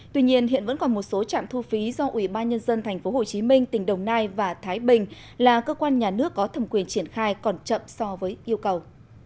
tuy nhiên hiện vẫn còn một số trạm thu phí do ủy ban nhân dân tp hcm tỉnh đồng nai và thái bình là cơ quan nhà nước có thẩm quyền triển khai còn chậm so với yêu cầu